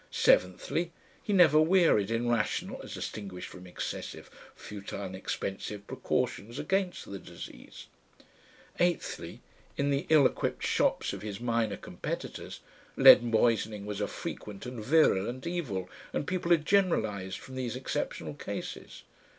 Seventhly, he never wearied in rational (as distinguished from excessive, futile and expensive) precautions against the disease. Eighthly, in the ill equipped shops of his minor competitors lead poisoning was a frequent and virulent evil, and people had generalised from these exceptional cases.